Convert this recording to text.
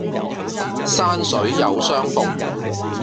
山水有相逢